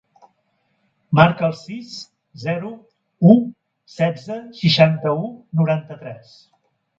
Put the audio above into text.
Marca el sis, zero, u, setze, seixanta-u, noranta-tres.